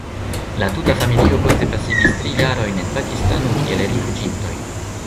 La tuta familio poste pasigis tri jarojn en Pakistano kiel rifuĝintoj.